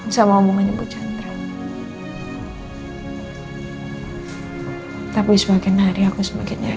sampai jumpa di video selanjutnya